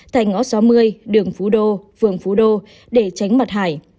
thành ngõ sáu mươi đường phú đô phường phú đô để tránh mặt hải